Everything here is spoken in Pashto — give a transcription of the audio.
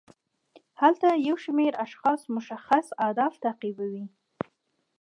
هلته یو شمیر اشخاص مشخص اهداف تعقیبوي.